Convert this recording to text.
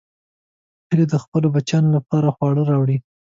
هیلۍ د خپلو بچیانو لپاره خواړه راوړي